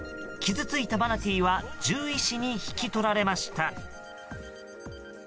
傷ついたマナティーは獣医師に引き取られました。